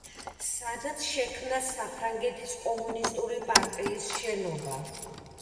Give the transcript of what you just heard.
სადაც შექმნა საფრანგეთის კომუნისტური პარტიის შენობა.